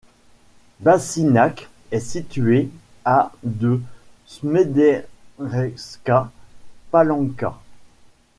Bačinac est situé à de Smederevska Palanka.